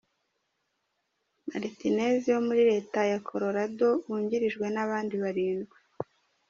Martinez wo muri Leta ya Colorado wungirijwe n’abandi barindwi.